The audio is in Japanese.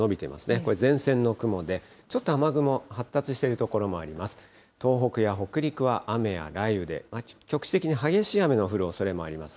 これ、前線の雲で、ちょっと雨雲発達している所もあります。